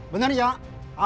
benar ya pak